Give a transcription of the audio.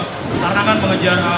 karena kan mengejar